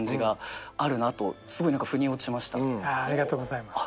ありがとうございます。